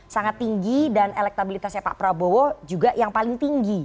sangat tinggi dan elektabilitasnya pak prabowo juga yang paling tinggi